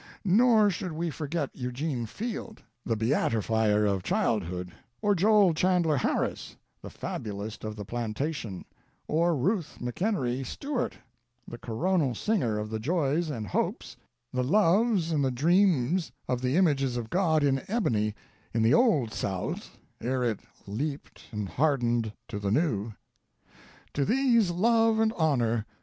Nor should we forget Eugene Field, the beatifier of childhood, or Joel Chandler Harris, the fabulist of the plantation, or Ruth McEnery Stuart, the coronal singer of the joys and hope, the loves and the dreams of the images of God in ebony in the old South, ere it leaped and hardened to the new. "To these love and honor.